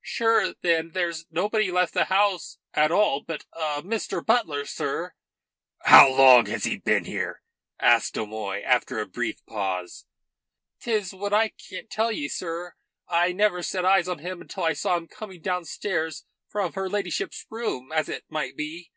"Sure, then, there's nobody left the house at all but Mr. Butler, sir." "How long had he been here?" asked O'Moy, after a brief pause. "'Tis what I can't tell ye, sir. I never set eyes on him until I saw him coming downstairs from her ladyship's room as it might be."